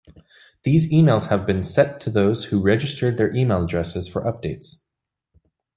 These emails have been set to those who registered their email addresses for updates.